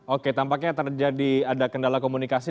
oke tampaknya terjadi ada kendala komunikasi